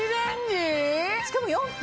しかも４分！